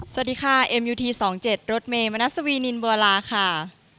สวัสดีค่ะเอ็มยูทีสองเจ็ดรดเมย์มณสวีนินบวอลลาค่ะ